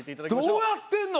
どうやってんの？